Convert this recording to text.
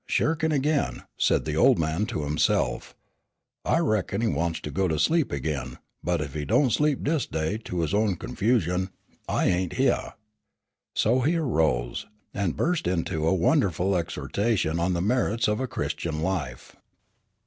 "Shirkin' again," said the old man to himself, "I reckon he wants to go to sleep again, but ef he don't sleep dis day to his own confusion, I ain't hyeah." So he arose, and burst into a wonderful exhortation on the merits of a Christian life.